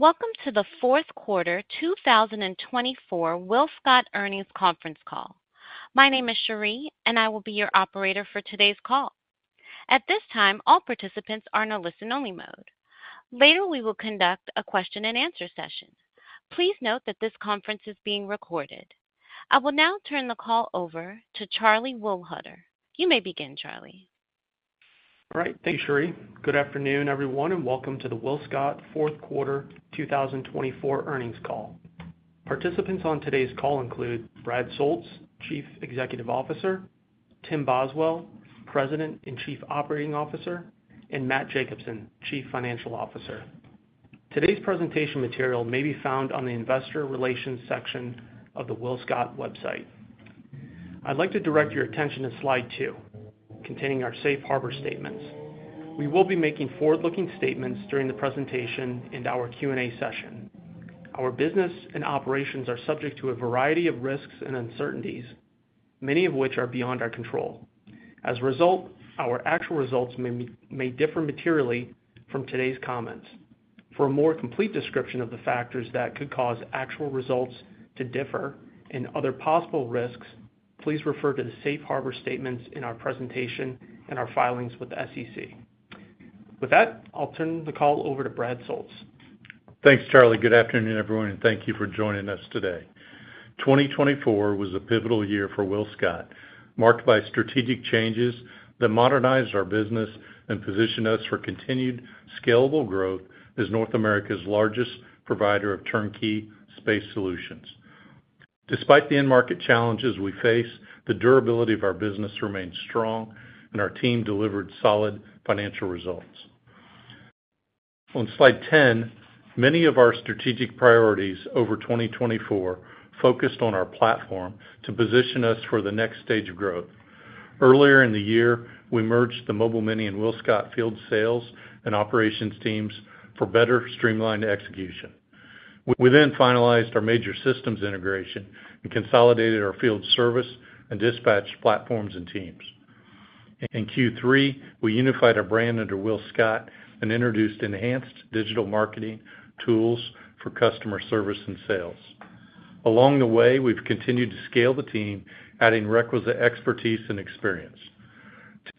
Welcome to the Q4 2024 WillScot Earnings Conference Call. My name is Cherie, and I will be your operator for today's call. At this time, all participants are in a listen-only mode. Later, we will conduct a question-and-answer session. Please note that this conference is being recorded. I will now turn the call over to Charlie Wohlhuter. You may begin, Charlie. All right. Thanks, Cherie. Good afternoon, everyone, and welcome to the WillScot Q4 2024 earnings call. Participants on today's call include Brad Soultz, Chief Executive Officer; Tim Boswell, President and Chief Operating Officer; and Matt Jacobsen, Chief Financial Officer. Today's presentation material may be found on the Investor Relations section of the WillScot website. I'd like to direct your attention to Slide 2, containing our Safe Harbor statements. We will be making forward-looking statements during the presentation and our Q&A session. Our business and operations are subject to a variety of risks and uncertainties, many of which are beyond our control. As a result, our actual results may differ materially from today's comments. For a more complete description of the factors that could cause actual results to differ and other possible risks, please refer to the safe harbor statements in our presentation and our filings with the SEC. With that, I'll turn the call over to Brad Soultz. Thanks, Charlie. Good afternoon, everyone, and thank you for joining us today. 2024 was a pivotal year for WillScot, marked by strategic changes that modernized our business and positioned us for continued scalable growth as North America's largest provider of turnkey space solutions. Despite the end-market challenges we face, the durability of our business remained strong, and our team delivered solid financial results. On Slide 10, many of our strategic priorities over 2024 focused on our platform to position us for the next stage of growth. Earlier in the year, we merged the Mobile Mini and WillScot field sales and operations teams for better streamlined execution. We then finalized our major systems integration and consolidated our field service and dispatch platforms and teams. In Q3, we unified our brand under WillScot and introduced enhanced digital marketing tools for customer service and sales. Along the way, we've continued to scale the team, adding requisite expertise and experience.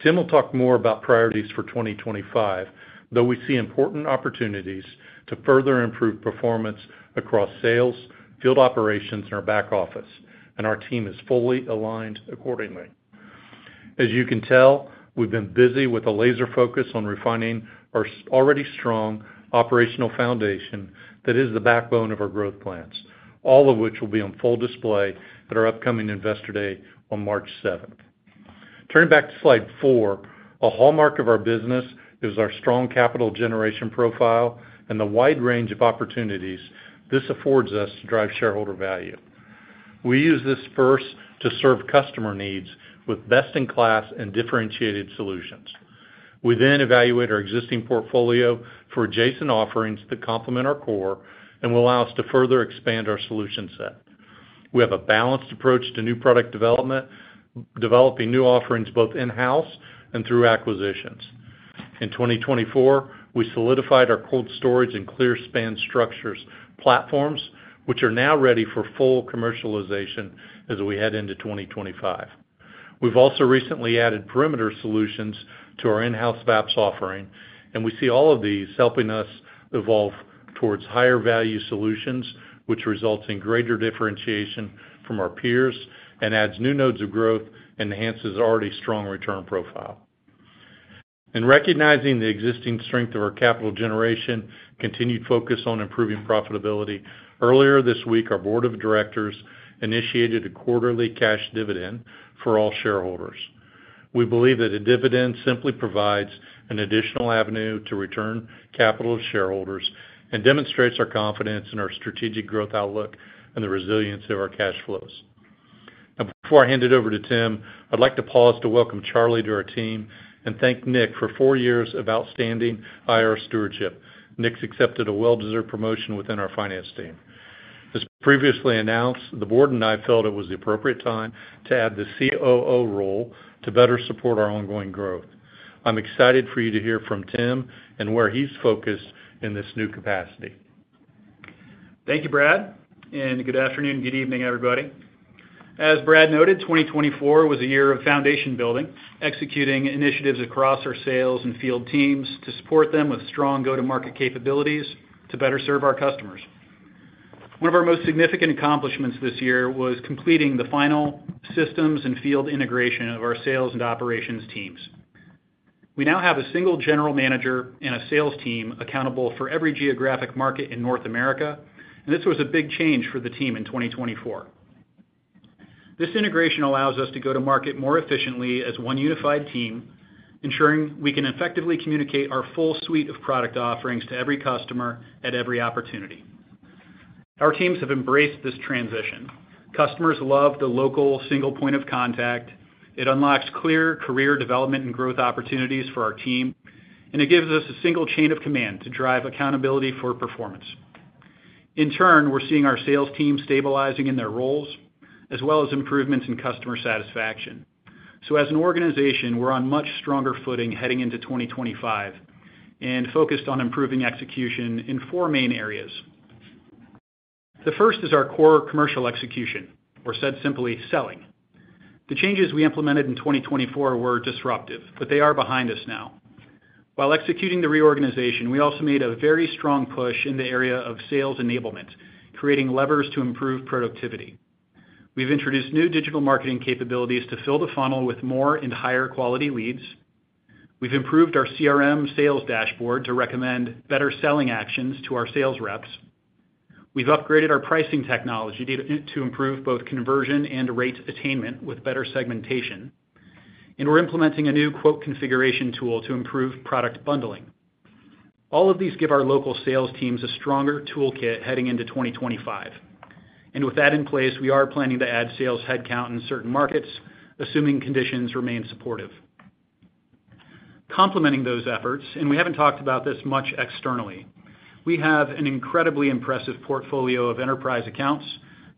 Tim will talk more about priorities for 2025, though we see important opportunities to further improve performance across sales, field operations, and our back office, and our team is fully aligned accordingly. As you can tell, we've been busy with a laser focus on refining our already strong operational foundation that is the backbone of our growth plans, all of which will be on full display at our upcoming Investor Day on 7 March. Turning back to Slide 4, a hallmark of our business is our strong capital generation profile and the wide range of opportunities this affords us to drive shareholder value. We use this first to serve customer needs with best-in-class and differentiated solutions. We then evaluate our existing portfolio for adjacent offerings that complement our core and will allow us to further expand our solution set. We have a balanced approach to new product development, developing new offerings both in-house and through acquisitions. In 2024, we solidified our cold storage and clear span structures platforms, which are now ready for full commercialization as we head into 2025. We've also recently added perimeter solutions to our in-house VAPS offering, and we see all of these helping us evolve towards higher value solutions, which results in greater differentiation from our peers and adds new nodes of growth and enhances our already strong return profile. In recognizing the existing strength of our capital generation, continued focus on improving profitability. Earlier this week, our board of directors initiated a quarterly cash dividend for all shareholders. We believe that a dividend simply provides an additional avenue to return capital to shareholders and demonstrates our confidence in our strategic growth outlook and the resilience of our cash flows. Now, before I hand it over to Tim, I'd like to pause to welcome Charlie to our team and thank Nick for four years of outstanding IR stewardship. Nick's accepted a well-deserved promotion within our finance team. As previously announced, the board and I felt it was the appropriate time to add the COO role to better support our ongoing growth. I'm excited for you to hear from Tim and where he's focused in this new capacity. Thank you, Brad, and good afternoon and good evening, everybody. As Brad noted, 2024 was a year of foundation building, executing initiatives across our sales and field teams to support them with strong go-to-market capabilities to better serve our customers. One of our most significant accomplishments this year was completing the final systems and field integration of our sales and operations teams. We now have a single general manager and a sales team accountable for every geographic market in North America, and this was a big change for the team in 2024. This integration allows us to go to market more efficiently as one unified team, ensuring we can effectively communicate our full suite of product offerings to every customer at every opportunity. Our teams have embraced this transition. Customers love the local single point of contact. It unlocks clear career development and growth opportunities for our team, and it gives us a single chain of command to drive accountability for performance. In turn, we're seeing our sales team stabilizing in their roles as well as improvements in customer satisfaction. So, as an organization, we're on much stronger footing heading into 2025 and focused on improving execution in four main areas. The first is our core commercial execution, or said simply, selling. The changes we implemented in 2024 were disruptive, but they are behind us now. While executing the reorganization, we also made a very strong push in the area of sales enablement, creating levers to improve productivity. We've introduced new digital marketing capabilities to fill the funnel with more and higher quality leads. We've improved our CRM sales dashboard to recommend better selling actions to our sales reps. We've upgraded our pricing technology to improve both conversion and rate attainment with better segmentation. And we're implementing a new quote configuration tool to improve product bundling. All of these give our local sales teams a stronger toolkit heading into 2025. And with that in place, we are planning to add sales headcount in certain markets, assuming conditions remain supportive. Complementing those efforts, and we haven't talked about this much externally, we have an incredibly impressive portfolio of enterprise accounts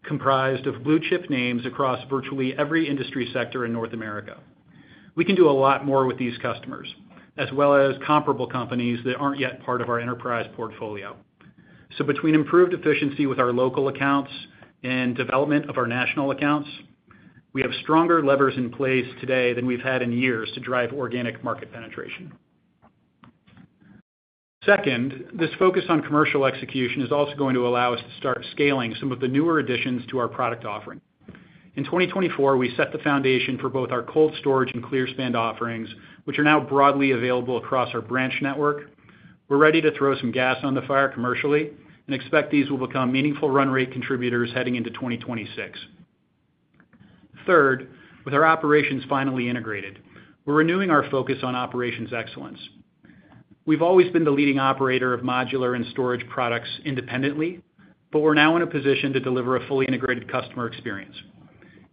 comprised of blue-chip names across virtually every industry sector in North America. We can do a lot more with these customers, as well as comparable companies that aren't yet part of our enterprise portfolio. So, between improved efficiency with our local accounts and development of our national accounts, we have stronger levers in place today than we've had in years to drive organic market penetration. Second, this focus on commercial execution is also going to allow us to start scaling some of the newer additions to our product offering. In 2024, we set the foundation for both our cold storage and clear span offerings, which are now broadly available across our branch network. We're ready to throw some gas on the fire commercially and expect these will become meaningful run rate contributors heading into 2026. Third, with our operations finally integrated, we're renewing our focus on operations excellence. We've always been the leading operator of modular and storage products independently, but we're now in a position to deliver a fully integrated customer experience.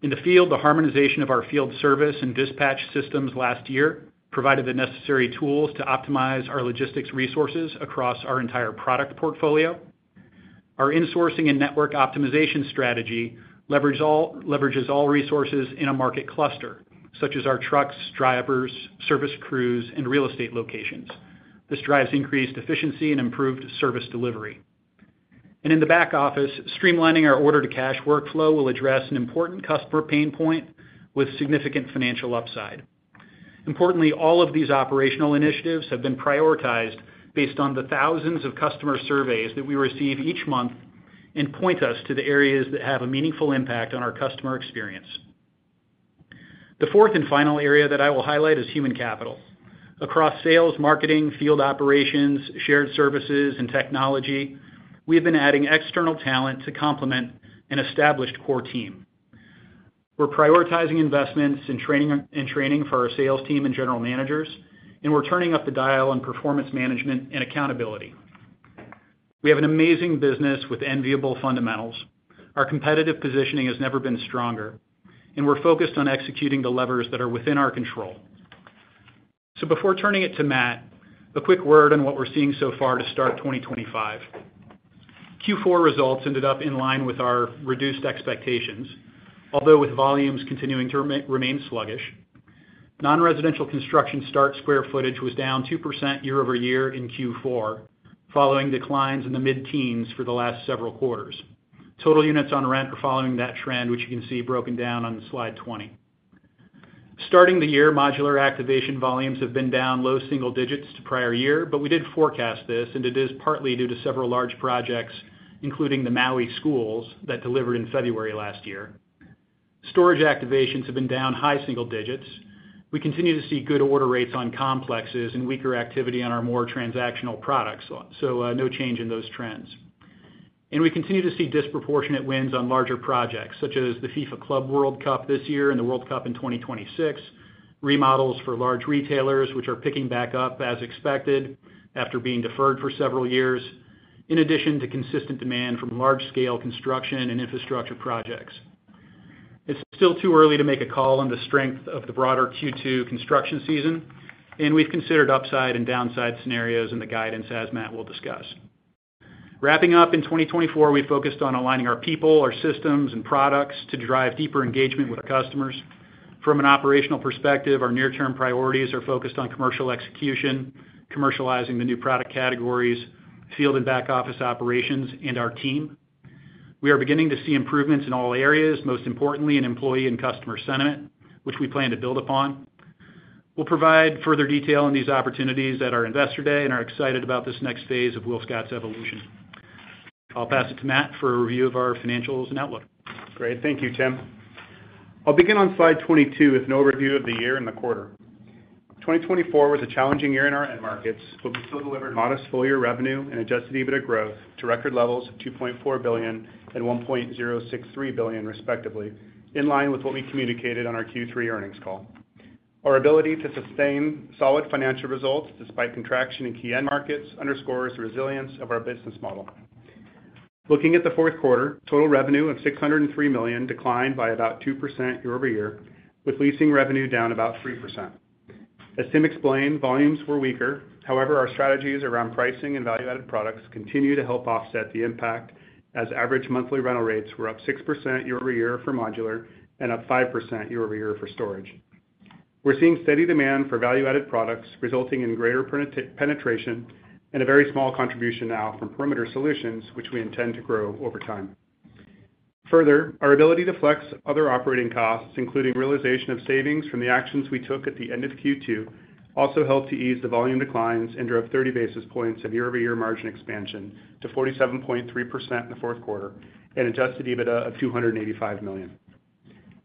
In the field, the harmonization of our field service and dispatch systems last year provided the necessary tools to optimize our logistics resources across our entire product portfolio. Our insourcing and network optimization strategy leverages all resources in a market cluster, such as our trucks, drivers, service crews, and real estate locations. This drives increased efficiency and improved service delivery. And in the back office, streamlining our order-to-cash workflow will address an important customer pain point with significant financial upside. Importantly, all of these operational initiatives have been prioritized based on the thousands of customer surveys that we receive each month and point us to the areas that have a meaningful impact on our customer experience. The fourth and final area that I will highlight is human capital. Across sales, marketing, field operations, shared services, and technology, we have been adding external talent to complement an established core team. We're prioritizing investments in training for our sales team and general managers, and we're turning up the dial on performance management and accountability. We have an amazing business with enviable fundamentals. Our competitive positioning has never been stronger, and we're focused on executing the levers that are within our control. So, before turning it to Matt, a quick word on what we're seeing so far to start 2025. Q4 results ended up in line with our reduced expectations, although with volumes continuing to remain sluggish. Non-residential construction start square footage was down 2% year-over-year in Q4, following declines in the mid-teens for the last several quarters. Total units on rent are following that trend, which you can see broken down on Slide 20. Starting the year, modular activation volumes have been down low single digits to prior year, but we did forecast this, and it is partly due to several large projects, including the Maui schools that delivered in February last year. Storage activations have been down high single digits. We continue to see good order rates on complexes and weaker activity on our more transactional products, so no change in those trends, and we continue to see disproportionate wins on larger projects, such as the FIFA Club World Cup this year and the World Cup in 2026, remodels for large retailers, which are picking back up as expected after being deferred for several years, in addition to consistent demand from large-scale construction and infrastructure projects. It's still too early to make a call on the strength of the broader Q2 construction season, and we've considered upside and downside scenarios in the guidance, as Matt will discuss. Wrapping up in 2024, we focused on aligning our people, our systems, and products to drive deeper engagement with our customers. From an operational perspective, our near-term priorities are focused on commercial execution, commercializing the new product categories, field and back office operations, and our team. We are beginning to see improvements in all areas, most importantly in employee and customer sentiment, which we plan to build upon. We'll provide further detail on these opportunities at our Investor Day and are excited about this next phase of WillScot's evolution. I'll pass it to Matt for a review of our financials and outlook. Great. Thank you, Tim. I'll begin on Slide 22 with an overview of the year and the quarter. 2024 was a challenging year in our end markets, but we still delivered modest full-year revenue and Adjusted EBITDA growth to record levels of $2.4 billion and $1.063 billion, respectively, in line with what we communicated on our Q3 Earnings Call. Our ability to sustain solid financial results despite contraction in key end markets underscores the resilience of our business model. Looking at the Q4, total revenue of $603 million declined by about 2% year-over-year, with leasing revenue down about 3%. As Tim explained, volumes were weaker. However, our strategies around pricing and value-added products continue to help offset the impact, as average monthly rental rates were up 6% year-over-year for modular and up 5% year-over-year for storage. We're seeing steady demand for value-added products, resulting in greater penetration and a very small contribution now from perimeter solutions, which we intend to grow over time. Further, our ability to flex other operating costs, including realization of savings from the actions we took at the end of Q2, also helped to ease the volume declines and drove 30 basis points of year-over-year margin expansion to 47.3% in the Q4 and Adjusted EBITDA of $285 million.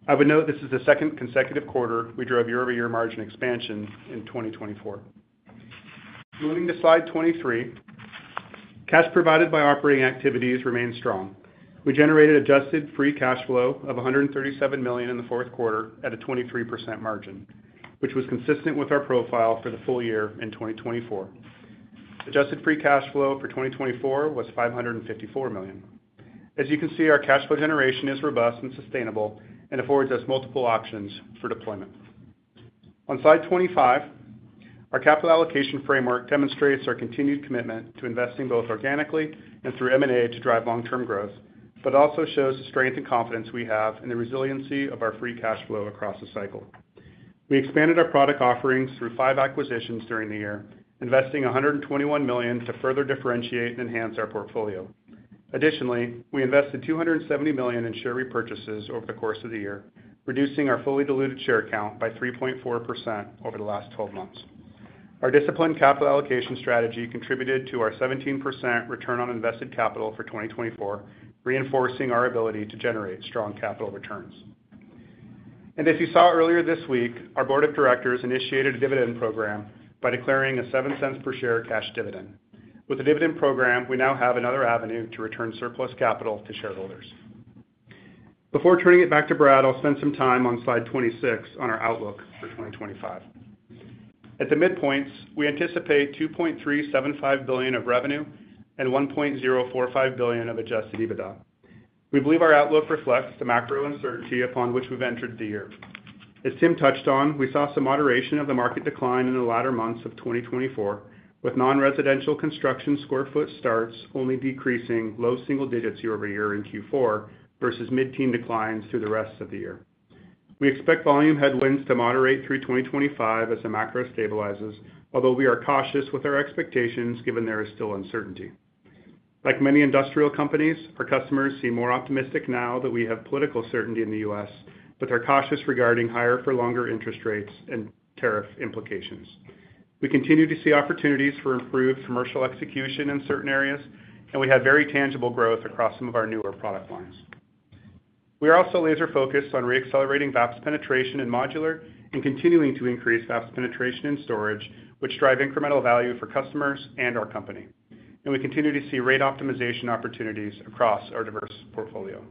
I would note this is the second consecutive quarter we drove year-over-year margin expansion in 2024. Moving to Slide 23, cash provided by operating activities remained strong. We generated Adjusted Free Cash Flow of $137 million in the Q4 at a 23% margin, which was consistent with our profile for the full year in 2024. Adjusted Free Cash Flow for 2024 was $554 million. As you can see, our cash flow generation is robust and sustainable and affords us multiple options for deployment. On Slide 25, our capital allocation framework demonstrates our continued commitment to investing both organically and through M&A to drive long-term growth, but also shows the strength and confidence we have in the resiliency of our free cash flow across the cycle. We expanded our product offerings through five acquisitions during the year, investing $121 million to further differentiate and enhance our portfolio. Additionally, we invested $270 million in share repurchases over the course of the year, reducing our fully diluted share count by 3.4% over the last 12 months. Our disciplined capital allocation strategy contributed to our 17% Return on Invested Capital for 2024, reinforcing our ability to generate strong capital returns. And as you saw earlier this week, our board of directors initiated a dividend program by declaring a $0.07 per share cash dividend. With the dividend program, we now have another avenue to return surplus capital to shareholders. Before turning it back to Brad, I'll spend some time on Slide 26 on our outlook for 2025. At the midpoints, we anticipate $2.375 billion of revenue and $1.045 billion of Adjusted EBITDA. We believe our outlook reflects the macro uncertainty upon which we've entered the year. As Tim touched on, we saw some moderation of the market decline in the latter months of 2024, with non-residential construction sq ft starts only decreasing low single digits year-over-year in Q4 versus mid-teens declines through the rest of the year. We expect volume headwinds to moderate through 2025 as the macro stabilizes, although we are cautious with our expectations given there is still uncertainty. Like many industrial companies, our customers seem more optimistic now that we have political certainty in the U.S., but they're cautious regarding higher-for-longer interest rates and tariff implications. We continue to see opportunities for improved commercial execution in certain areas, and we have very tangible growth across some of our newer product lines. We are also laser-focused on re-accelerating VAPS penetration in modular and continuing to increase VAPS penetration in storage, which drive incremental value for customers and our company. And we continue to see rate optimization opportunities across our diverse portfolio.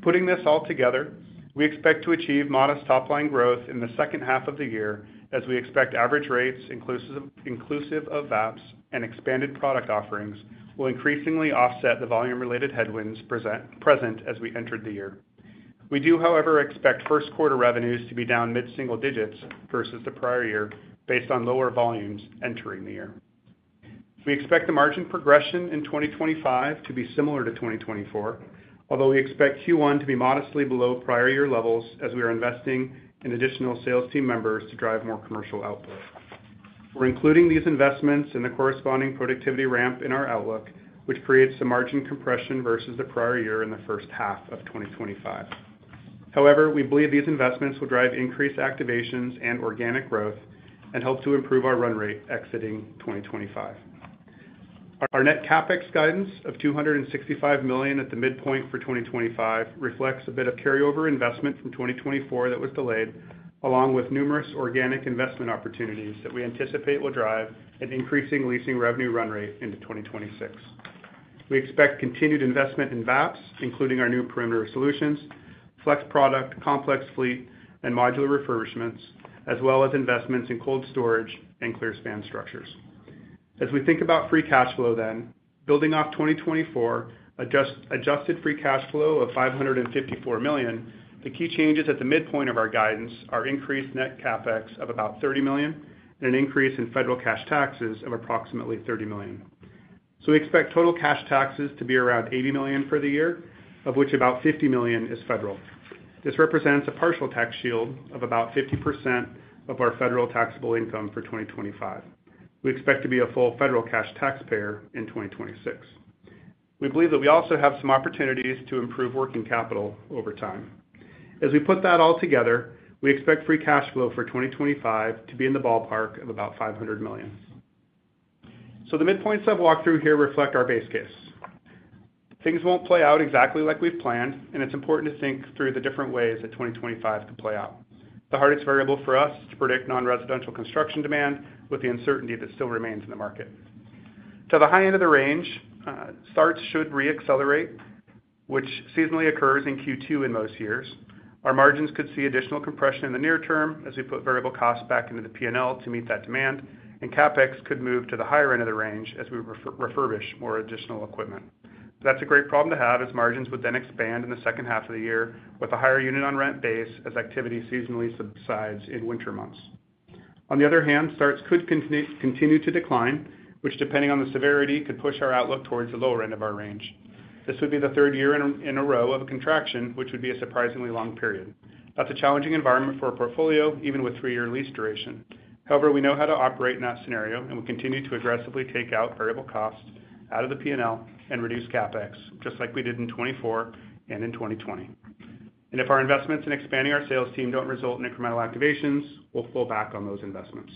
Putting this all together, we expect to achieve modest top-line growth in the second half of the year, as we expect average rates inclusive of VAPS and expanded product offerings will increasingly offset the volume-related headwinds present as we entered the year. We do, however, expect first-quarter revenues to be down mid-single digits versus the prior year based on lower volumes entering the year. We expect the margin progression in 2025 to be similar to 2024, although we expect Q1 to be modestly below prior year levels as we are investing in additional sales team members to drive more commercial output. We're including these investments in the corresponding productivity ramp in our outlook, which creates some margin compression versus the prior year in the first half of 2025. However, we believe these investments will drive increased activations and organic growth and help to improve our run rate exiting 2025. Our net CapEx guidance of $265 million at the midpoint for 2025 reflects a bit of carryover investment from 2024 that was delayed, along with numerous organic investment opportunities that we anticipate will drive an increasing leasing revenue run rate into 2026. We expect continued investment in VAPS, including our new perimeter solutions, Flex product, complex fleet, and modular refurbishments, as well as investments in cold storage and clear span structures. As we think about free cash flow then, building off 2024 Adjusted Free Cash Flow of $554 million, the key changes at the midpoint of our guidance are increased net CapEx of about $30 million and an increase in federal cash taxes of approximately $30 million. So we expect total cash taxes to be around $80 million for the year, of which about $50 million is federal. This represents a partial tax shield of about 50% of our federal taxable income for 2025. We expect to be a full federal cash taxpayer in 2026. We believe that we also have some opportunities to improve working capital over time. As we put that all together, we expect free cash flow for 2025 to be in the ballpark of about $500 million. So the midpoints I've walked through here reflect our base case. Things won't play out exactly like we've planned, and it's important to think through the different ways that 2025 could play out. The hardest variable for us is to predict non-residential construction demand with the uncertainty that still remains in the market. To the high end of the range, starts should re-accelerate, which seasonally occurs in Q2 in most years. Our margins could see additional compression in the near term as we put variable costs back into the P&L to meet that demand, and CapEx could move to the higher end of the range as we refurbish more additional equipment. That's a great problem to have as margins would then expand in the second half of the year with a higher units on rent base as activity seasonally subsides in winter months. On the other hand, starts could continue to decline, which, depending on the severity, could push our outlook towards the lower end of our range. This would be the third year in a row of a contraction, which would be a surprisingly long period. That's a challenging environment for a portfolio, even with three-year lease duration. However, we know how to operate in that scenario, and we continue to aggressively take out variable costs of the P&L and reduce CapEx, just like we did in 2024 and in 2020. And if our investments in expanding our sales team don't result in incremental activations, we'll pull back on those investments.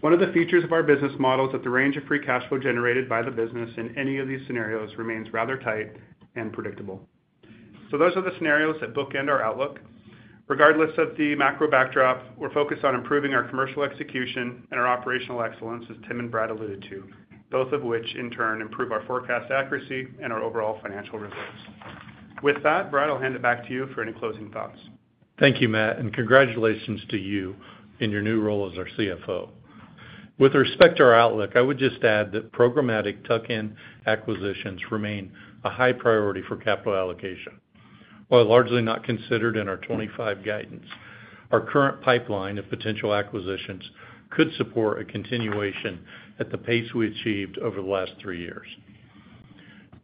One of the features of our business model is that the range of free cash flow generated by the business in any of these scenarios remains rather tight and predictable. So those are the scenarios that bookend our outlook. Regardless of the macro backdrop, we're focused on improving our commercial execution and our operational excellence, as Tim and Brad alluded to, both of which, in turn, improve our forecast accuracy and our overall financial results. With that, Brad, I'll hand it back to you for any closing thoughts. Thank you, Matt, and congratulations to you in your new role as our CFO. With respect to our outlook, I would just add that programmatic tuck-in acquisitions remain a high priority for capital allocation. While largely not considered in our 2025 guidance, our current pipeline of potential acquisitions could support a continuation at the pace we achieved over the last three years.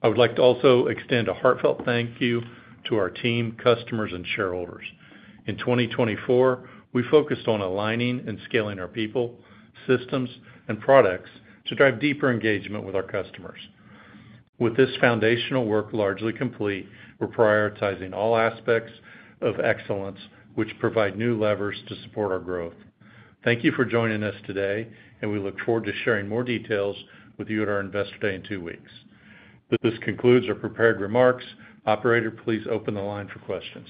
I would like to also extend a heartfelt thank you to our team, customers, and shareholders. In 2024, we focused on aligning and scaling our people, systems, and products to drive deeper engagement with our customers. With this foundational work largely complete, we're prioritizing all aspects of excellence, which provide new levers to support our growth. Thank you for joining us today, and we look forward to sharing more details with you at our Investor Day in two weeks. This concludes our prepared remarks. Operator, please open the line for questions.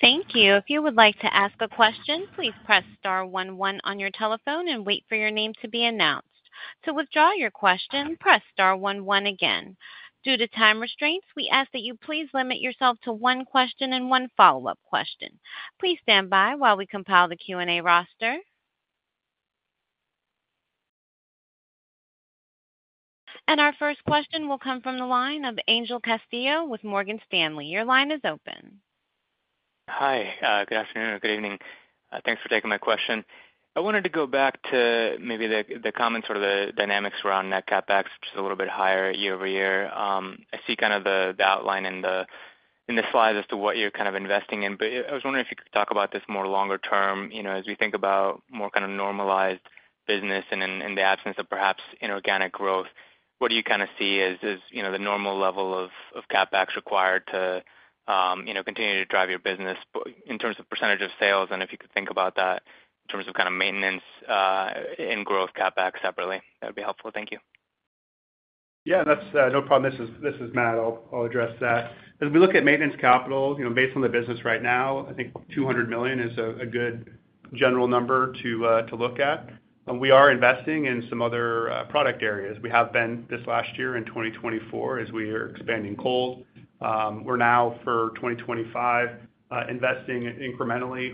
Thank you. If you would like to ask a question, please press star one one on your telephone and wait for your name to be announced. To withdraw your question, press star one one again. Due to time restraints, we ask that you please limit yourself to one question and one follow-up question. Please stand by while we compile the Q&A roster, and our first question will come from the line of Angel Castillo with Morgan Stanley. Your line is open. Hi. Good afternoon or good evening. Thanks for taking my question. I wanted to go back to maybe the comments or the dynamics around net CapEx, which is a little bit higher year-over-year. I see kind of the outline in the slides as to what you're kind of investing in, but I was wondering if you could talk about this more longer term. As we think about more kind of normalized business and in the absence of perhaps inorganic growth, what do you kind of see as the normal level of CapEx required to continue to drive your business in terms of percentage of sales? And if you could think about that in terms of kind of maintenance and growth CapEx separately, that would be helpful. Thank you. Yeah, no problem. This is Matt. I'll address that. As we look at maintenance capital, based on the business right now, I think $200 million is a good general number to look at. We are investing in some other product areas. We have been this last year in 2024 as we are expanding cold. We're now, for 2025, investing incrementally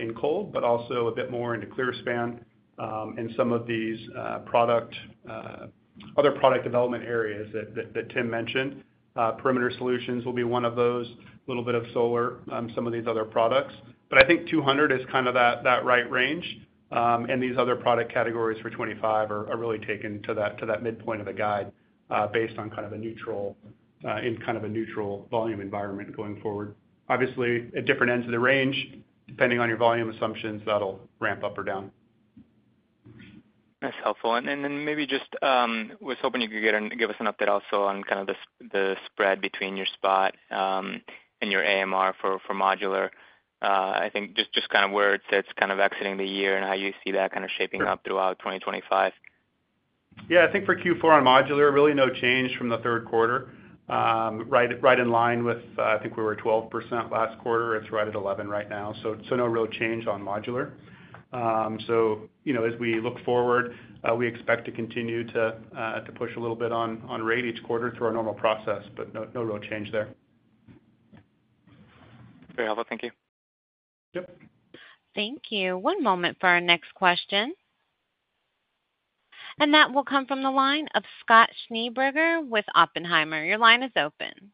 in cold, but also a bit more into clear span and some of these other product development areas that Tim mentioned. Perimeter solutions will be one of those, a little bit of solar, some of these other products. But I think $200 is kind of that right range, and these other product categories for 2025 are really taken to that midpoint of the guide based on kind of a neutral volume environment going forward. Obviously, at different ends of the range, depending on your volume assumptions, that'll ramp up or down. That's helpful. And then maybe just was hoping you could give us an update also on kind of the spread between your spot and your AMR for modular. I think just kind of where it sits kind of exiting the year and how you see that kind of shaping up throughout 2025. Yeah, I think for Q4 on modular, really no change from the Q3. Right in line with, I think we were at 12% last quarter. It's right at 11% right now. So no real change on modular. So as we look forward, we expect to continue to push a little bit on rate each quarter through our normal process, but no real change there. Very helpful. Thank you. Yep. Thank you. One moment for our next question, and that will come from the line of Scott Schneeberger with Oppenheimer. Your line is open.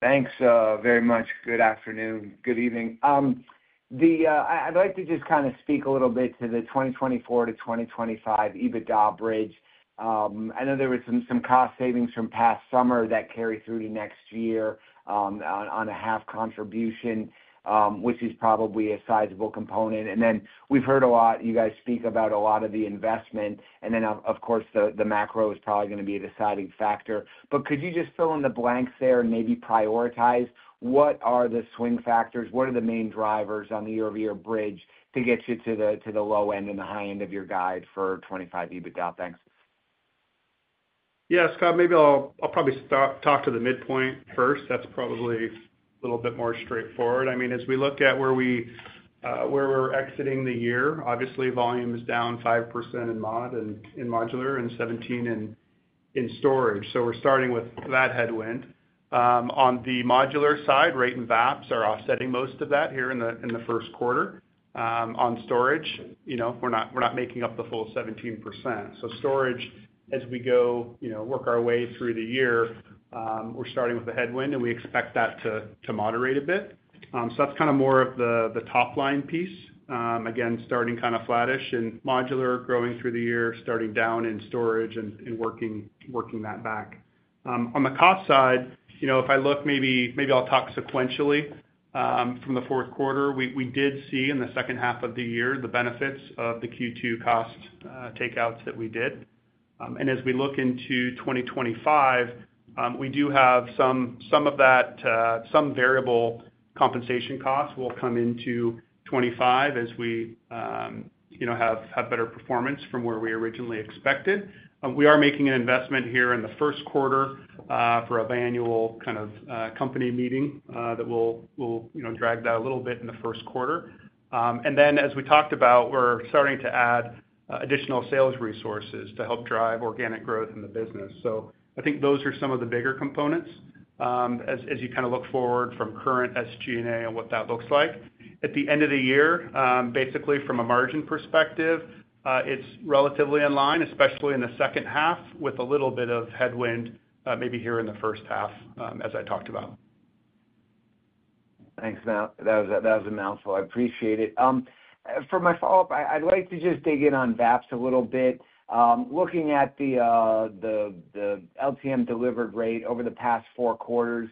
Thanks very much. Good afternoon. Good evening. I'd like to just kind of speak a little bit to the 2024 to 2025 EBITDA bridge. I know there were some cost savings from past summer that carry through to next year on a half contribution, which is probably a sizable component. And then we've heard a lot, you guys speak about a lot of the investment, and then, of course, the macro is probably going to be a deciding factor. But could you just fill in the blanks there and maybe prioritize? What are the swing factors? What are the main drivers on the year-over-year bridge to get you to the low end and the high end of your guide for 2025 EBITDA? Thanks. Yeah, Scott, maybe I'll probably talk to the midpoint first. That's probably a little bit more straightforward. I mean, as we look at where we're exiting the year, obviously, volume is down 5% in mod and in modular and 17% in storage. So we're starting with that headwind. On the modular side, rate and VAPS are offsetting most of that here in the Q1. On storage, we're not making up the full 17%. So storage, as we go work our way through the year, we're starting with a headwind, and we expect that to moderate a bit. So that's kind of more of the top-line piece. Again, starting kind of flattish in modular growing through the year, starting down in storage and working that back. On the cost side, if I look, maybe I'll talk sequentially. From the Q4, we did see in the second half of the year the benefits of the Q2 cost takeouts that we did. And as we look into 2025, we do have some variable compensation costs will come into 2025 as we have better performance from where we originally expected. We are making an investment here in the Q1 for an annual kind of company meeting that will drag that a little bit in the Q1. And then, as we talked about, we're starting to add additional sales resources to help drive organic growth in the business. So I think those are some of the bigger components as you kind of look forward from current SG&A and what that looks like. At the end of the year, basically, from a margin perspective, it's relatively in line, especially in the second half, with a little bit of headwind maybe here in the first half, as I talked about. Thanks, Matt. That was a mouthful. I appreciate it. For my follow-up, I'd like to just dig in on VAPS a little bit. Looking at the LTM delivered rate over the past four quarters,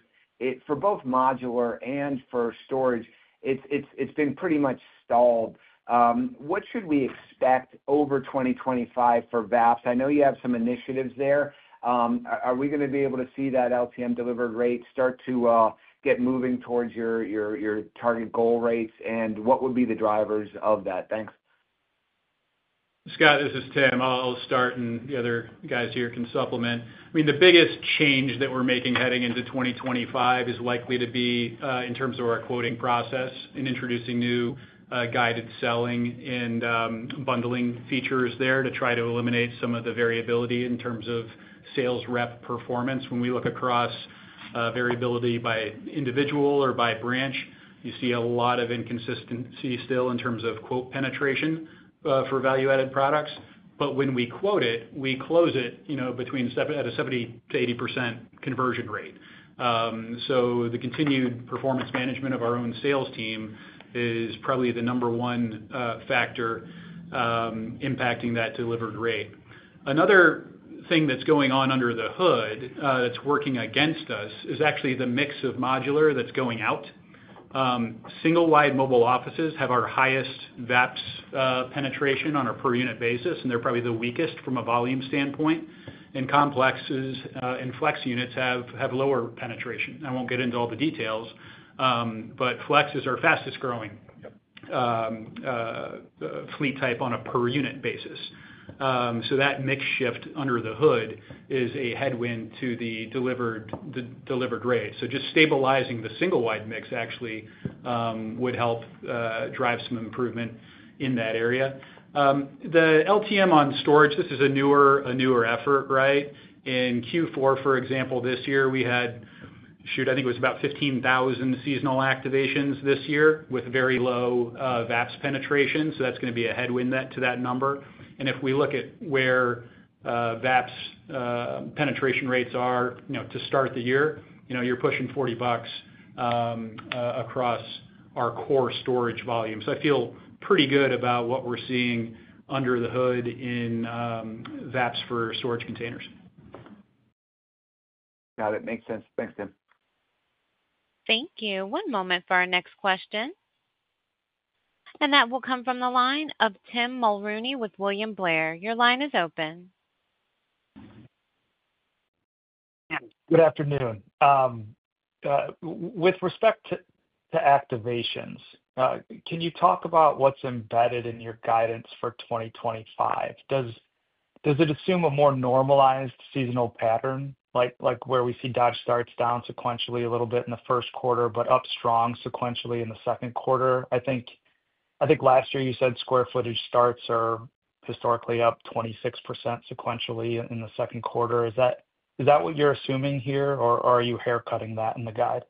for both modular and for storage, it's been pretty much stalled. What should we expect over 2025 for VAPS? I know you have some initiatives there. Are we going to be able to see that LTM delivered rate start to get moving towards your target goal rates, and what would be the drivers of that? Thanks. Scott, this is Tim. I'll start, and the other guys here can supplement. I mean, the biggest change that we're making heading into 2025 is likely to be in terms of our quoting process and introducing new guided selling and bundling features there to try to eliminate some of the variability in terms of sales rep performance. When we look across variability by individual or by branch, you see a lot of inconsistency still in terms of quote penetration for value-added products. But when we quote it, we close it at a 70%-80% conversion rate. So the continued performance management of our own sales team is probably the number one factor impacting that delivered rate. Another thing that's going on under the hood that's working against us is actually the mix of modular that's going out. Single-wide mobile offices have our highest VAPS penetration on a per-unit basis, and they're probably the weakest from a volume standpoint, and complexes and Flex units have lower penetration. I won't get into all the details, but Flex is our fastest-growing fleet type on a per-unit basis, so that mix shift under the hood is a headwind to the delivered rate, so just stabilizing the single-wide mix actually would help drive some improvement in that area. The LTM on storage, this is a newer effort, right? In Q4, for example, this year, we had, shoot, I think it was about 15,000 seasonal activations this year with very low VAPS penetration, so that's going to be a headwind to that number, and if we look at where VAPS penetration rates are to start the year, you're pushing $40 across our core storage volume. I feel pretty good about what we're seeing under the hood in VAPS for storage containers. Got it. Makes sense. Thanks, Tim. Thank you. One moment for our next question. That will come from the line of Tim Mulrooney with William Blair. Your line is open. Good afternoon. With respect to activations, can you talk about what's embedded in your guidance for 2025? Does it assume a more normalized seasonal pattern, like where we see Dodge starts down sequentially a little bit in the Q1, but up strong sequentially in the Q2? I think last year you said square footage starts are historically up 26% sequentially in the Q2. Is that what you're assuming here, or are you haircutting that in the guide?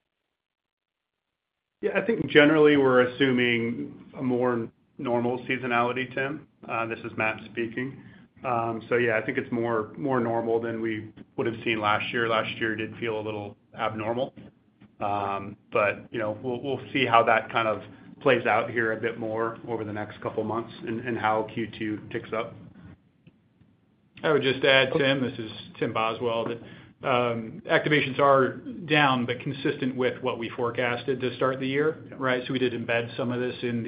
Yeah, I think generally we're assuming a more normal seasonality, Tim. This is Matt speaking, so yeah, I think it's more normal than we would have seen last year. Last year did feel a little abnormal, but we'll see how that kind of plays out here a bit more over the next couple of months and how Q2 ticks up. I would just add, Tim, this is Tim Boswell, that activations are down, but consistent with what we forecasted to start the year, right, so we did embed some of this in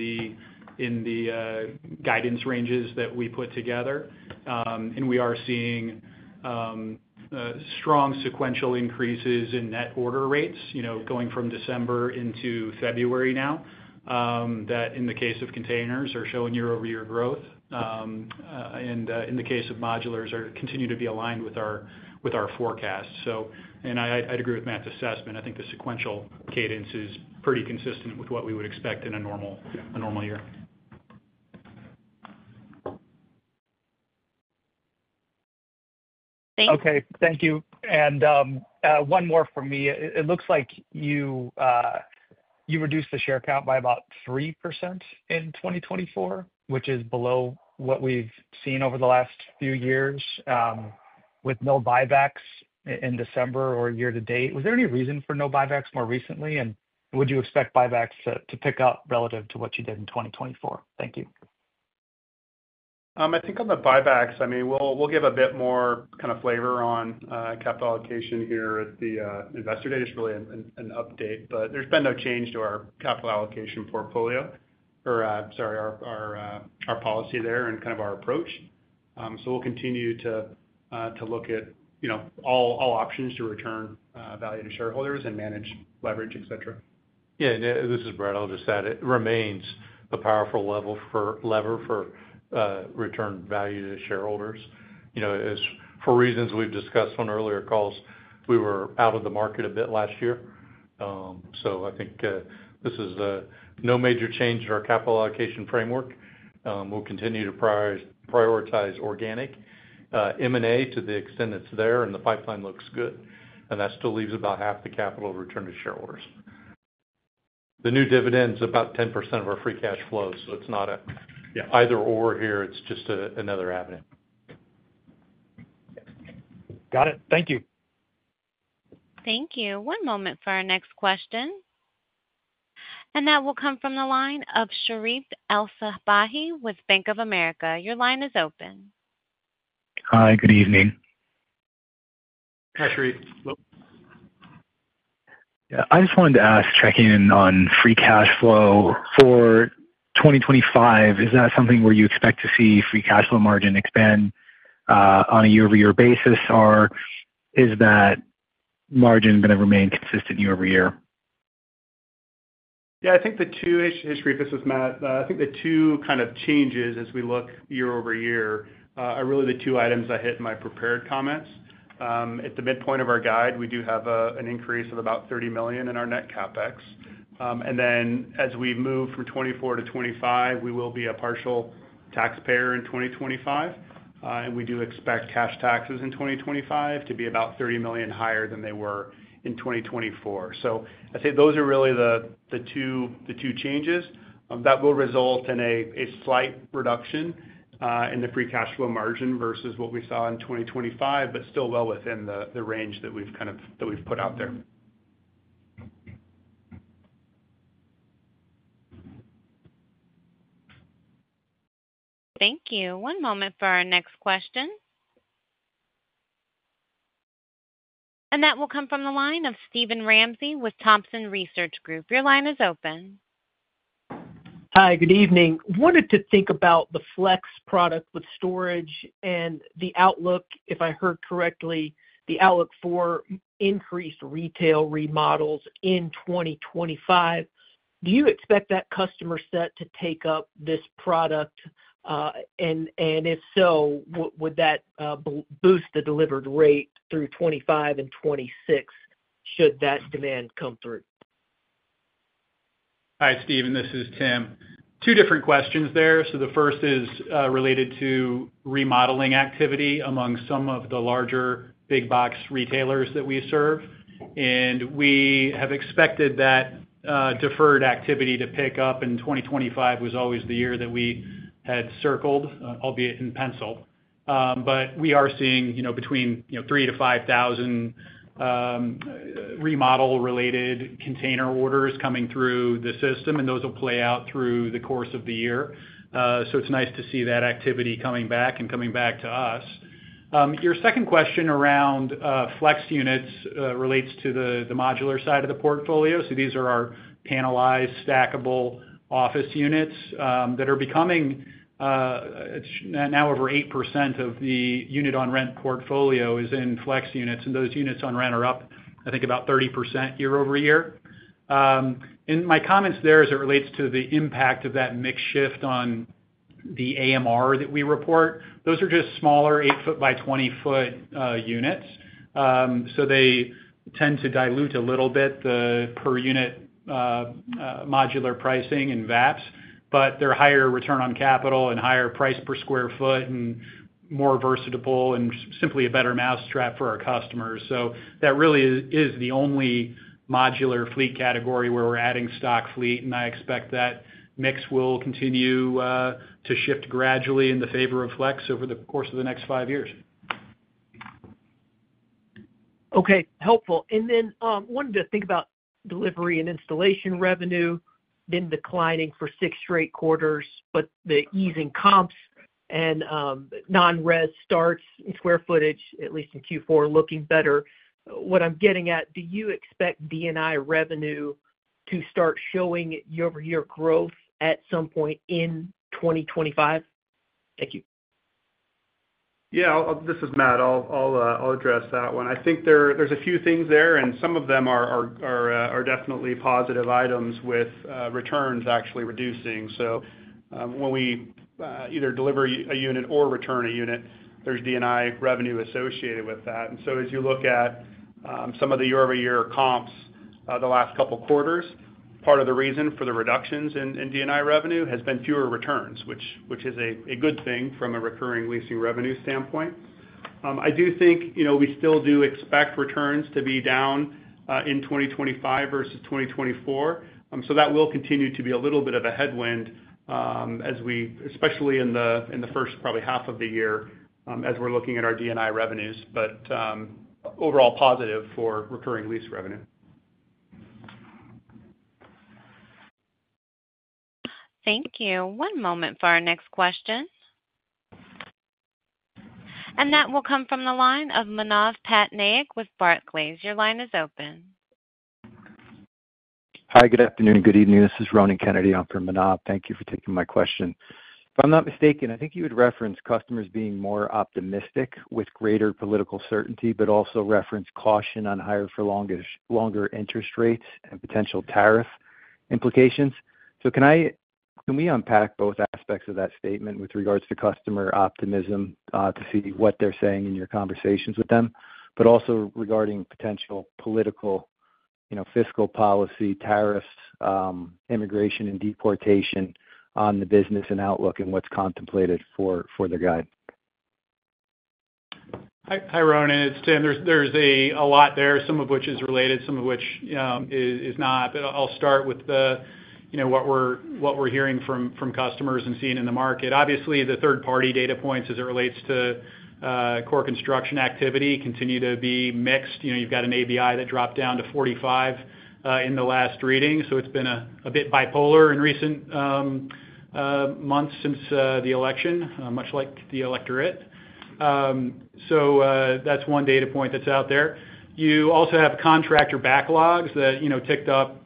the guidance ranges that we put together, and we are seeing strong sequential increases in net order rates going from December into February now that, in the case of containers, are showing year-over-year growth, and in the case of modulars, continue to be aligned with our forecast, and I'd agree with Matt's assessment. I think the sequential cadence is pretty consistent with what we would expect in a normal year. Thank you. Okay. Thank you. And one more from me. It looks like you reduced the share count by about 3% in 2024, which is below what we've seen over the last few years with no buybacks in December or year-to-date. Was there any reason for no buybacks more recently, and would you expect buybacks to pick up relative to what you did in 2024? Thank you. I think on the buybacks, I mean, we'll give a bit more kind of flavor on capital allocation here at the Investor Day. It's really an update, but there's been no change to our capital allocation portfolio or, sorry, our policy there and kind of our approach. So we'll continue to look at all options to return value to shareholders and manage leverage, etc. Yeah. This is Brad. I'll just add it remains a powerful lever for returned value to shareholders. For reasons we've discussed on earlier calls, we were out of the market a bit last year. So I think this is no major change in our capital allocation framework. We'll continue to prioritize organic M&A to the extent it's there, and the pipeline looks good. And that still leaves about half the capital returned to shareholders. The new dividend's about 10% of our free cash flow. So it's not an either/or here. It's just another avenue. Got it. Thank you. Thank you. One moment for our next question, and that will come from the line of Sherif El-Sabbahy with Bank of America. Your line is open. Hi. Good evening. Hi, Sharif. Yeah. I just wanted to ask, checking in on free cash flow for 2025, is that something where you expect to see free cash flow margin expand on a year-over-year basis, or is that margin going to remain consistent year-over-year? Yeah. I think the two. Hi, Sherif. This is Matt. I think the two kind of changes as we look year-over-year are really the two items I hit in my prepared comments. At the midpoint of our guide, we do have an increase of about $30 million in our net CapEx. And then as we move from 2024 to 2025, we will be a partial taxpayer in 2025. And we do expect cash taxes in 2025 to be about $30 million higher than they were in 2024. So I'd say those are really the two changes. That will result in a slight reduction in the free cash flow margin versus what we saw in 2025, but still well within the range that we've kind of put out there. Thank you. One moment for our next question. And that will come from the line of Steven Ramsey with Thompson Research Group. Your line is open. Hi. Good evening. Wanted to think about the Flex product with storage and the outlook, if I heard correctly, the outlook for increased retail remodels in 2025. Do you expect that customer set to take up this product? And if so, would that boost the delivered rate through 2025 and 2026 should that demand come through? Hi, Stephen. This is Tim. Two different questions there. So the first is related to remodeling activity among some of the larger big-box retailers that we serve. And we have expected that deferred activity to pick up in 2025, which was always the year that we had circled, albeit in pencil. But we are seeing between 3,000-5,000 remodel-related container orders coming through the system, and those will play out through the course of the year. So it's nice to see that activity coming back and coming back to us. Your second question around Flex units relates to the modular side of the portfolio. So these are our panelized, stackable office units that are becoming now over 8% of the units on rent portfolio, which is in Flex units. And those units on rent are up, I think, about 30% year-over-year. My comments there as it relates to the impact of that mix shift on the AMR that we report, those are just smaller eight-foot by 20-foot units. They tend to dilute a little bit the per-unit modular pricing and VAPS. They're higher return on capital and higher price per sq ft and more versatile and simply a better mousetrap for our customers. That really is the only modular fleet category where we're adding stock fleet. I expect that mix will continue to shift gradually in the favor of Flex over the course of the next five years. Okay. Helpful. And then wanted to think about delivery and installation revenue been declining for six straight quarters, but the easing comps and non-res starts in square footage, at least in Q4, looking better. What I'm getting at, do you expect D&I revenue to start showing year-over-year growth at some point in 2025? Thank you. Yeah. This is Matt. I'll address that one. I think there's a few things there, and some of them are definitely positive items with returns actually reducing. So when we either deliver a unit or return a unit, there's D&I revenue associated with that. And so as you look at some of the year-over-year comps the last couple of quarters, part of the reason for the reductions in D&I revenue has been fewer returns, which is a good thing from a recurring leasing revenue standpoint. I do think we still do expect returns to be down in 2025 versus 2024. So that will continue to be a little bit of a headwind, especially in the first probably half of the year as we're looking at our D&I revenues, but overall positive for recurring lease revenue. Thank you. One moment for our next question. And that will come from the line of Manav Patnaik with Barclays. Your line is open. Hi. Good afternoon. Good evening. This is Ronan Kennedy on for Manav. Thank you for taking my question. If I'm not mistaken, I think you had referenced customers being more optimistic with greater political certainty, but also referenced caution on higher for longer interest rates and potential tariff implications. So can we unpack both aspects of that statement with regards to customer optimism to see what they're saying in your conversations with them, but also regarding potential political, fiscal policy, tariffs, immigration, and deportation on the business and outlook and what's contemplated for the guide? Hi, Ronan. It's Tim. There's a lot there, some of which is related, some of which is not. But I'll start with what we're hearing from customers and seeing in the market. Obviously, the third-party data points as it relates to core construction activity continue to be mixed. You've got an ABI that dropped down to 45 in the last reading. So it's been a bit bipolar in recent months since the election, much like the electorate. So that's one data point that's out there. You also have contractor backlogs that ticked up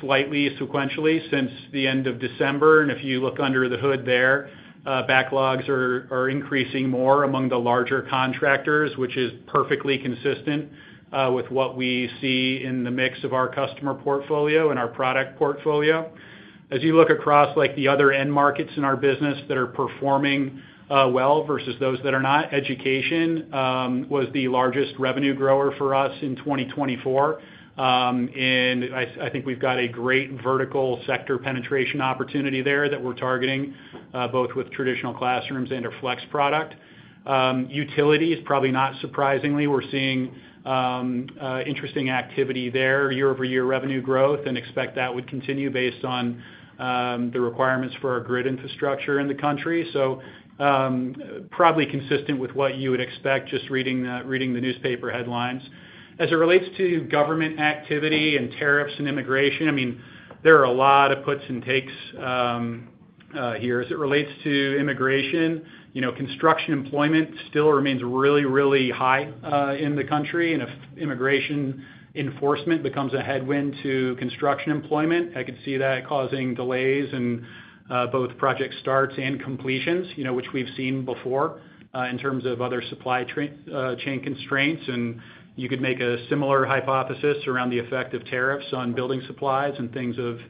slightly sequentially since the end of December. And if you look under the hood there, backlogs are increasing more among the larger contractors, which is perfectly consistent with what we see in the mix of our customer portfolio and our product portfolio. As you look across the other end markets in our business that are performing well versus those that are not, education was the largest revenue grower for us in 2024, and I think we've got a great vertical sector penetration opportunity there that we're targeting both with traditional classrooms and a Flex product. Utilities, probably not surprisingly, we're seeing interesting activity there, year-over-year revenue growth, and expect that would continue based on the requirements for our grid infrastructure in the country, so probably consistent with what you would expect just reading the newspaper headlines. As it relates to government activity and tariffs and immigration, I mean, there are a lot of puts and takes here. As it relates to immigration, construction employment still remains really, really high in the country. If immigration enforcement becomes a headwind to construction employment, I could see that causing delays in both project starts and completions, which we've seen before in terms of other supply chain constraints. You could make a similar hypothesis around the effect of tariffs on building supplies and things of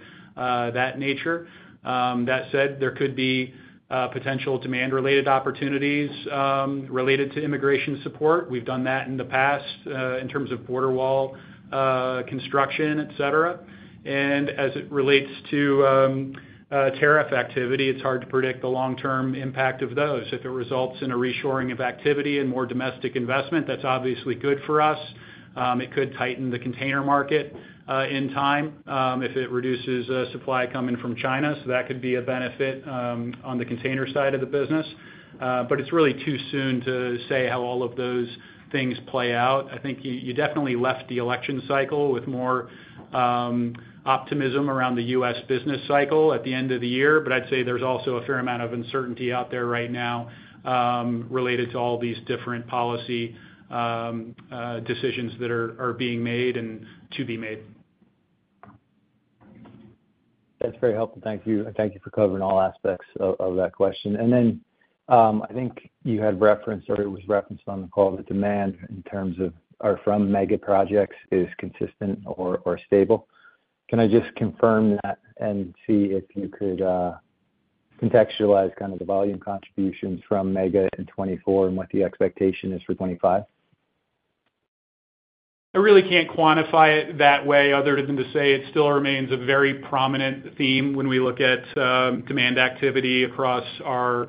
that nature. That said, there could be potential demand-related opportunities related to immigration support. We've done that in the past in terms of border wall construction, etc. As it relates to tariff activity, it's hard to predict the long-term impact of those. If it results in a reshoring of activity and more domestic investment, that's obviously good for us. It could tighten the container market in time if it reduces supply coming from China. That could be a benefit on the container side of the business. But it's really too soon to say how all of those things play out. I think you definitely left the election cycle with more optimism around the U.S. business cycle at the end of the year. But I'd say there's also a fair amount of uncertainty out there right now related to all these different policy decisions that are being made and to be made. That's very helpful. Thank you. Thank you for covering all aspects of that question. And then I think you had referenced or it was referenced on the call that demand in terms of or from mega projects is consistent or stable. Can I just confirm that and see if you could contextualize kind of the volume contributions from mega in 2024 and what the expectation is for 2025? I really can't quantify it that way other than to say it still remains a very prominent theme when we look at demand activity across our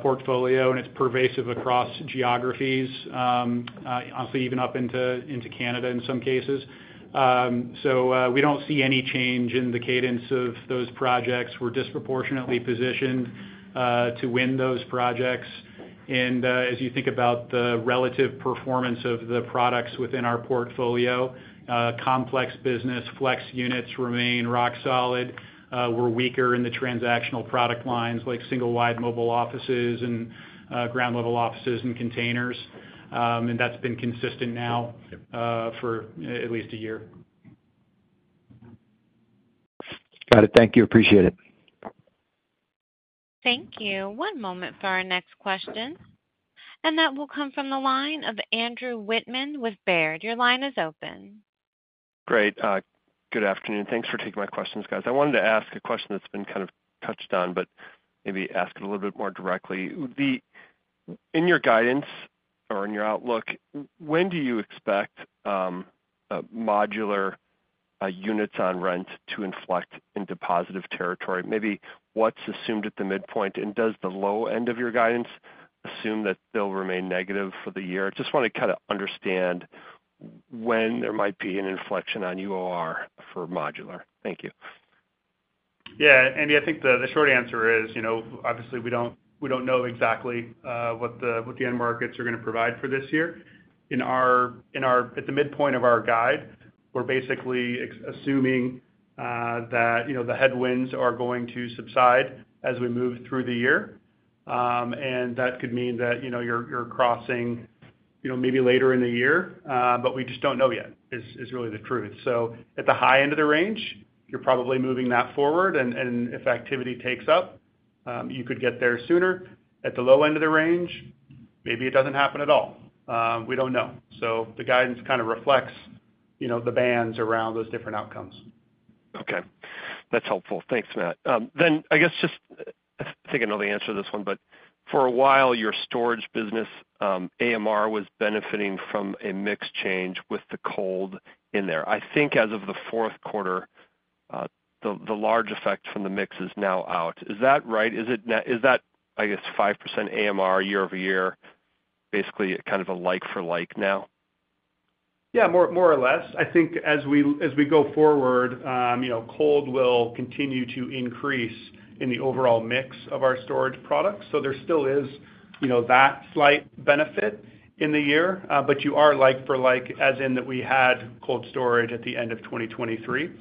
portfolio, and it's pervasive across geographies, honestly, even up into Canada in some cases, so we don't see any change in the cadence of those projects. We're disproportionately positioned to win those projects. And as you think about the relative performance of the products within our portfolio, complexes, business Flex units remain rock solid. We're weaker in the transactional product lines like single-wide mobile offices and ground-level offices and containers, and that's been consistent now for at least a year. Got it. Thank you. Appreciate it. Thank you. One moment for our next question. And that will come from the line of Andrew Wittmann with Baird. Your line is open. Great. Good afternoon. Thanks for taking my questions, guys. I wanted to ask a question that's been kind of touched on, but maybe ask it a little bit more directly. In your guidance or in your outlook, when do you expect modular units on rent to inflect into positive territory? Maybe what's assumed at the midpoint, and does the low end of your guidance assume that they'll remain negative for the year? I just want to kind of understand when there might be an inflection on UOR for modular. Thank you. Yeah. Andy, I think the short answer is, obviously, we don't know exactly what the end markets are going to provide for this year. At the midpoint of our guide, we're basically assuming that the headwinds are going to subside as we move through the year, and that could mean that you're crossing maybe later in the year, but we just don't know yet is really the truth, so at the high end of the range, you're probably moving that forward, and if activity takes up, you could get there sooner. At the low end of the range, maybe it doesn't happen at all, we don't know, so the guidance kind of reflects the bands around those different outcomes. Okay. That's helpful. Thanks, Matt. Then I guess just I think I know the answer to this one, but for a while, your storage business AMR was benefiting from a mix change with the cold in there. I think as of the Q4, the large effect from the mix is now out. Is that right? Is that, I guess, 5% AMR year-over-year, basically kind of a like-for-like now? Yeah, more or less. I think as we go forward, cold will continue to increase in the overall mix of our storage products. So there still is that slight benefit in the year, but you are like-for-like, as in that we had cold storage at the end of 2023.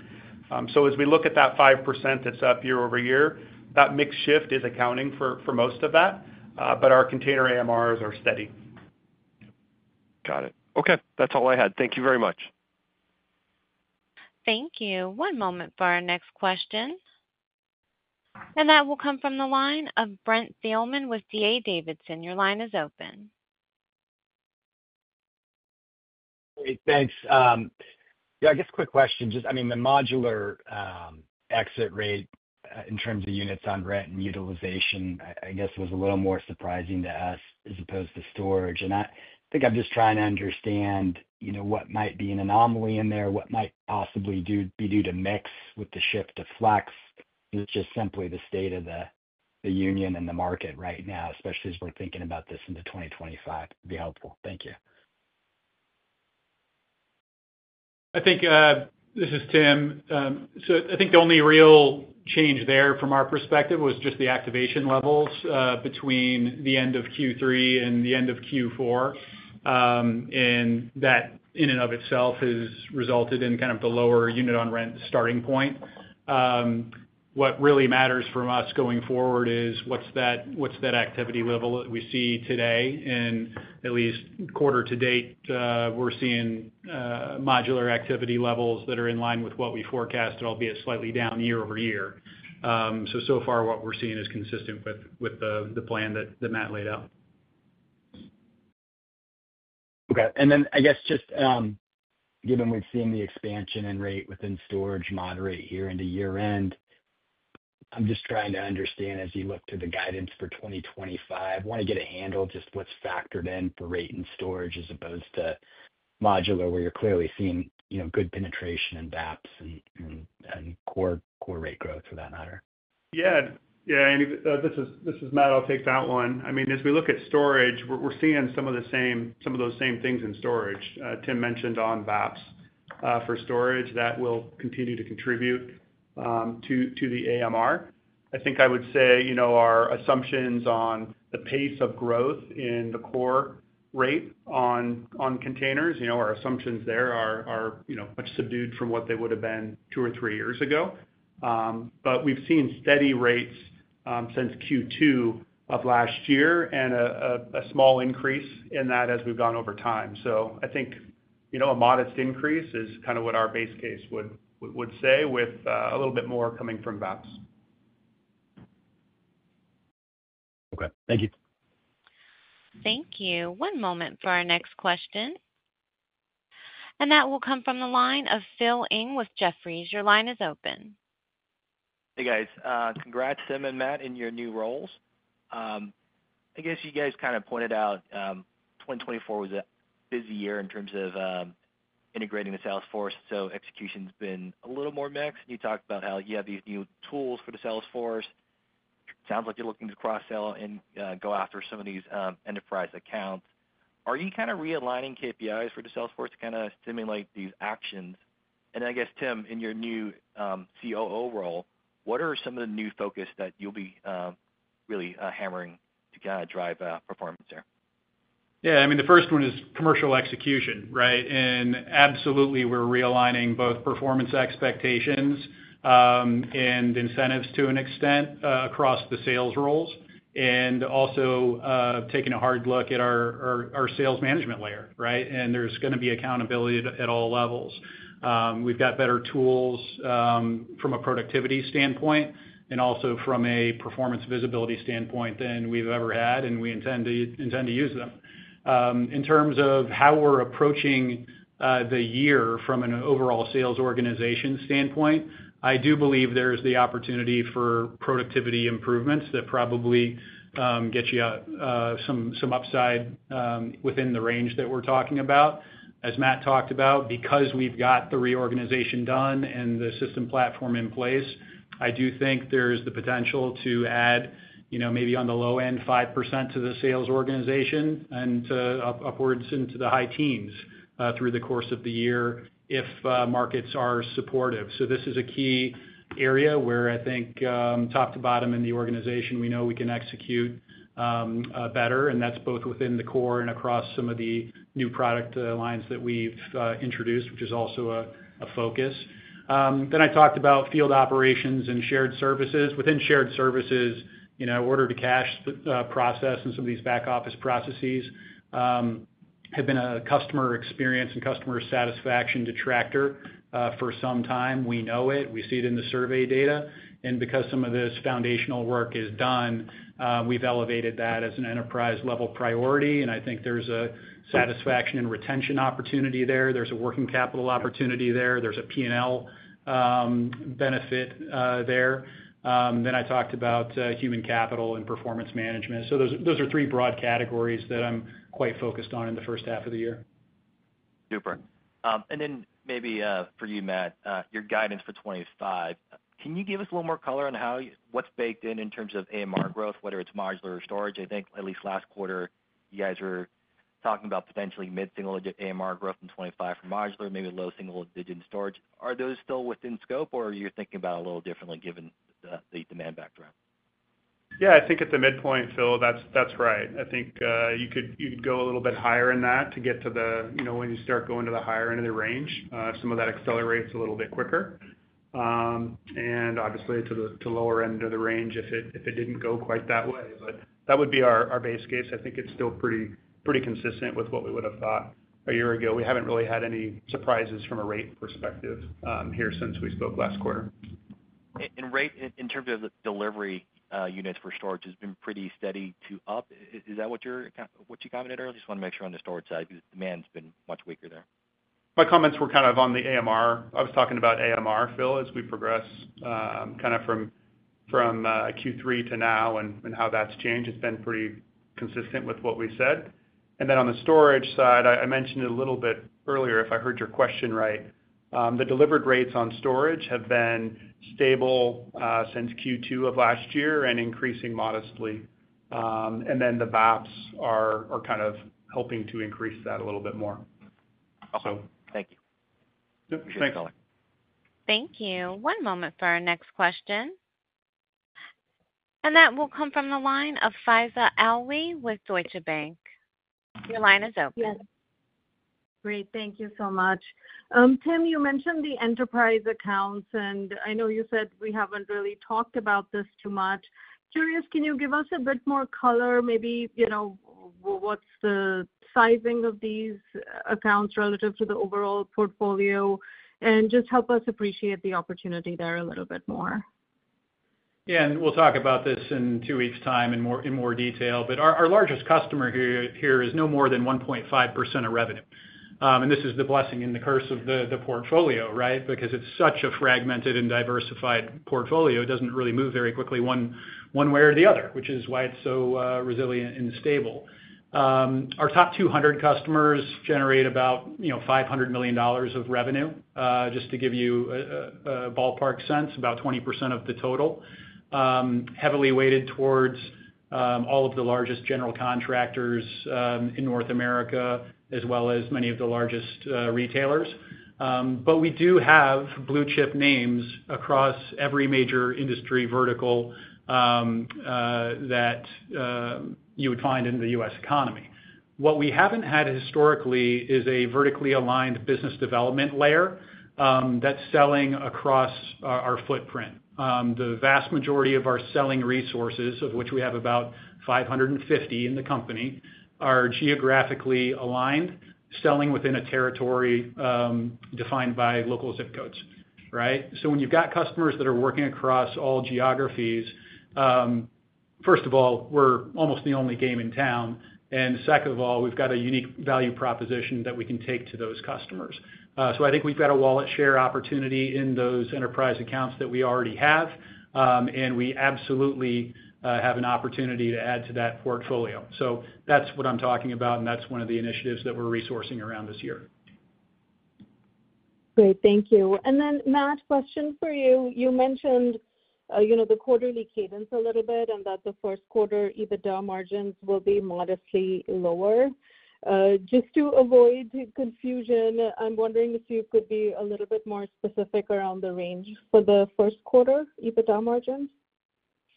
So as we look at that 5% that's up year-over-year, that mix shift is accounting for most of that, but our container AMRs are steady. Got it. Okay. That's all I had. Thank you very much. Thank you. One moment for our next question. And that will come from the line of Brent Thielman with D.A. Davidson. Your line is open. Great. Thanks. Yeah, I guess quick question. I mean, the modular exit rate in terms of units on rent and utilization, I guess, was a little more surprising to us as opposed to storage. And I think I'm just trying to understand what might be an anomaly in there, what might possibly be due to mix with the shift to Flex, and just simply the state of the union and the market right now, especially as we're thinking about this into 2025. It'd be helpful. Thank you. I think this is Tim. So I think the only real change there from our perspective was just the activation levels between the end of Q3 and the end of Q4. And that in and of itself has resulted in kind of the lower unit on rent starting point. What really matters for us going forward is what's that activity level that we see today. And at least quarter to date, we're seeing modular activity levels that are in line with what we forecast, albeit slightly down year-over-year. So so far, what we're seeing is consistent with the plan that Matt laid out. Okay, and then I guess just given we've seen the expansion in rate within storage moderate year-over-year and, I'm just trying to understand as you look to the guidance for 2025, want to get a handle just what's factored in for rate and storage as opposed to modular where you're clearly seeing good penetration and VAPS and core rate growth for that matter? Yeah. Yeah, and this is Matt. I'll take that one. I mean, as we look at storage, we're seeing some of those same things in storage. Tim mentioned on VAPS for storage that will continue to contribute to the AMR. I think I would say our assumptions on the pace of growth in the core rate on containers, our assumptions there are much subdued from what they would have been two or three years ago. But we've seen steady rates since Q2 of last year and a small increase in that as we've gone over time. So I think a modest increase is kind of what our base case would say with a little bit more coming from VAPS. Okay. Thank you. Thank you. One moment for our next question, and that will come from the line of Phil Ng with Jefferies. Your line is open. Hey, guys. Congrats, Tim and Matt, in your new roles. I guess you guys kind of pointed out 2024 was a busy year in terms of integrating the sales force. So execution's been a little more mixed, and you talked about how you have these new tools for the sales force. It sounds like you're looking to cross-sell and go after some of these enterprise accounts. Are you kind of realigning KPIs for the sales force to kind of stimulate these actions, and I guess, Tim, in your new COO role, what are some of the new focus that you'll be really hammering to kind of drive performance there? Yeah. I mean, the first one is commercial execution, right? And absolutely, we're realigning both performance expectations and incentives to an extent across the sales roles and also taking a hard look at our sales management layer, right? And there's going to be accountability at all levels. We've got better tools from a productivity standpoint and also from a performance visibility standpoint than we've ever had, and we intend to use them. In terms of how we're approaching the year from an overall sales organization standpoint, I do believe there is the opportunity for productivity improvements that probably get you some upside within the range that we're talking about. As Matt talked about, because we've got the reorganization done and the system platform in place, I do think there's the potential to add maybe on the low end 5% to the sales organization and upwards into the high teens through the course of the year if markets are supportive. So this is a key area where I think top to bottom in the organization, we know we can execute better. And that's both within the core and across some of the new product lines that we've introduced, which is also a focus. Then I talked about field operations and shared services. Within shared services, order-to-cash process and some of these back-office processes have been a customer experience and customer satisfaction detractor for some time. We know it. We see it in the survey data. Because some of this foundational work is done, we've elevated that as an enterprise-level priority. I think there's a satisfaction and retention opportunity there. There's a working capital opportunity there. There's a P&L benefit there. I talked about human capital and performance management. Those are three broad categories that I'm quite focused on in the first half of the year. Super. And then maybe for you, Matt, your guidance for 2025, can you give us a little more color on what's baked in in terms of AMR growth, whether it's modular or storage? I think at least last quarter, you guys were talking about potentially mid-single digit AMR growth in 2025 for modular, maybe low single digit in storage. Are those still within scope, or are you thinking about it a little differently given the demand backdrop? Yeah. I think at the midpoint, Phil, that's right. I think you could go a little bit higher in that to get to the when you start going to the higher end of the range, some of that accelerates a little bit quicker, and obviously to the lower end of the range if it didn't go quite that way, but that would be our base case. I think it's still pretty consistent with what we would have thought a year ago. We haven't really had any surprises from a rate perspective here since we spoke last quarter. Rate in terms of the delivery units for storage has been pretty steady to up. Is that what you commented earlier? Just want to make sure on the storage side, the demand's been much weaker there. My comments were kind of on the AMR. I was talking about AMR, Phil, as we progress kind of from Q3 to now and how that's changed. It's been pretty consistent with what we said. And then on the storage side, I mentioned it a little bit earlier, if I heard your question right, the delivered rates on storage have been stable since Q2 of last year and increasing modestly. And then the VAPs are kind of helping to increase that a little bit more, so. Thank you. Yep. Thanks. Thank you. One moment for our next question. That will come from the line of Faiza Alwy with Deutsche Bank. Your line is open. Yes. Great. Thank you so much. Tim, you mentioned the enterprise accounts, and I know you said we haven't really talked about this too much. Curious, can you give us a bit more color, maybe what's the sizing of these accounts relative to the overall portfolio, and just help us appreciate the opportunity there a little bit more? Yeah. And we'll talk about this in two weeks' time in more detail. But our largest customer here is no more than 1.5% of revenue. And this is the blessing and the curse of the portfolio, right? Because it's such a fragmented and diversified portfolio, it doesn't really move very quickly one way or the other, which is why it's so resilient and stable. Our top 200 customers generate about $500 million of revenue, just to give you a ballpark sense, about 20% of the total, heavily weighted towards all of the largest general contractors in North America as well as many of the largest retailers. But we do have blue-chip names across every major industry vertical that you would find in the U.S. economy. What we haven't had historically is a vertically aligned business development layer that's selling across our footprint. The vast majority of our selling resources, of which we have about 550 in the company, are geographically aligned, selling within a territory defined by local zip codes, right? So when you've got customers that are working across all geographies, first of all, we're almost the only game in town. And second of all, we've got a unique value proposition that we can take to those customers. So I think we've got a wallet share opportunity in those enterprise accounts that we already have, and we absolutely have an opportunity to add to that portfolio. So that's what I'm talking about, and that's one of the initiatives that we're resourcing around this year. Great. Thank you. And then, Matt, question for you. You mentioned the quarterly cadence a little bit and that the Q1 EBITDA margins will be modestly lower. Just to avoid confusion, I'm wondering if you could be a little bit more specific around the range for the Q1 EBITDA margins.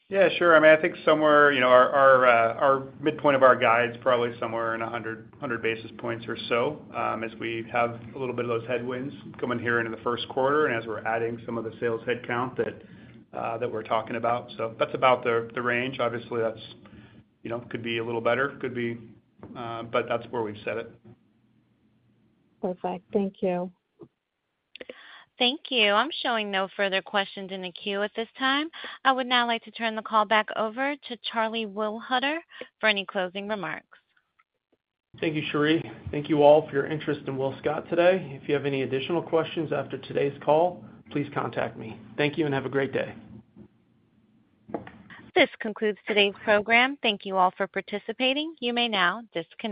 Yeah, sure. I mean, I think somewhere our midpoint of our guide is probably somewhere in 100 basis points or so as we have a little bit of those headwinds coming here into the Q1 and as we're adding some of the sales headcount that we're talking about. So that's about the range. Obviously, that could be a little better, but that's where we've set it. Perfect. Thank you. Thank you. I'm showing no further questions in the queue at this time. I would now like to turn the call back over to Charlie Wohlhuter for any closing remarks. Thank you, Cherie. Thank you all for your interest in WillScot today. If you have any additional questions after today's call, please contact me. Thank you and have a great day. This concludes today's program. Thank you all for participating. You may now disconnect.